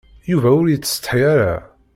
Yuba ur yettsetḥi ara.